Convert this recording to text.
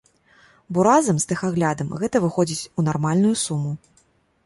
Бо разам з тэхаглядам гэта выходзіць у нармальную суму.